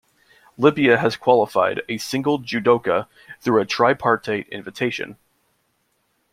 Libya has qualified a single judoka through a tripartite invitation.